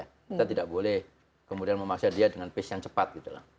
kita tidak boleh kemudian memaksa dia dengan pace yang cepat gitu